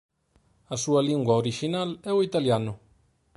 A súa lingua orixinal é o italiano.